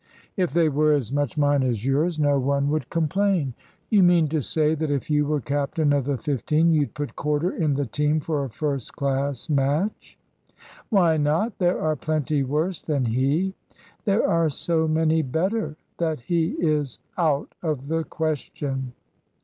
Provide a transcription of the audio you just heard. "If they were as much mine as yours no one would complain." "You mean to say that if you were captain of the fifteen you'd put Corder in the team for a first class match?" "Why not? There are plenty worse than he." "There are so many better, that he is out of the question."